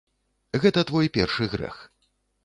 Гэта твой першы грэх.